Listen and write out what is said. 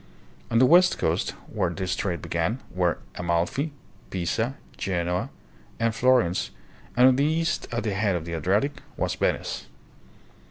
On the west coast, where this trade began, were Amalfi, Pisa, Genoa, and Florence, and on the east, at the head of the Adriatic, was Venice.